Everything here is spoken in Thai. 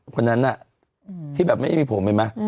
คนนั้นที่แบบไม่มีผมกันมาก